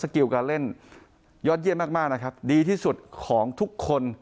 กิลการเล่นยอดเยี่ยมมากมากนะครับดีที่สุดของทุกคน